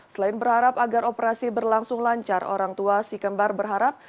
selain berharap agar operasi berlangsung lancar orang tua si kembar berharap